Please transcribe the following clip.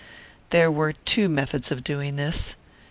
There were two methods of doing this.